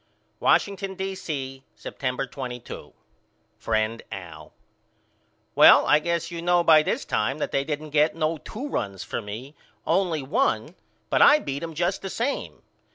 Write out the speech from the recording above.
Washington, D. C., September 22. FRIEND AL: Well I guess you know by this time that they didn't get no two runs for me, only one, but I beat him just the same.